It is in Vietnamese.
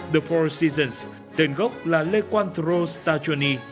the four seasons tên gốc là le quantro stagioni